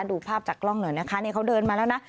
ดูภาพจากกล้องหน่อยนะคะนี่เขาเดินมาแล้วนะ